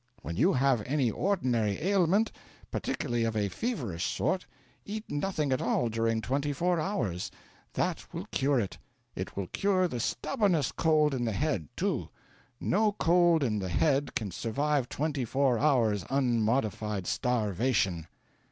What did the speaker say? When you have any ordinary ailment, particularly of a feverish sort, eat nothing at all during twenty four hours. That will cure it. It will cure the stubbornest cold in the head, too. No cold in the head can survive twenty four hours' unmodified starvation.'